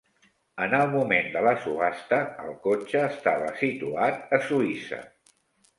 En el moment de la subhasta, el cotxe estava situat a Suïssa.